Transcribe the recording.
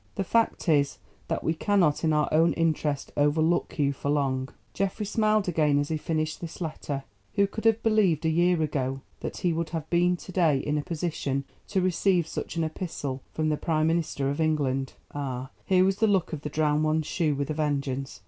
The fact is, that we cannot in our own interest overlook you for long." Geoffrey smiled again as he finished this letter. Who could have believed a year ago that he would have been to day in a position to receive such an epistle from the Prime Minister of England? Ah, here was the luck of the Drowned One's shoe with a vengeance.